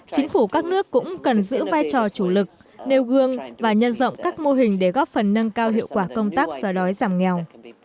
chính phủ các nước cũng cần giữ vai trò chủ lực nêu gương và nhân rộng các mô hình để góp phần nâng cao hiệu quả công tác xóa đói giảm nghèo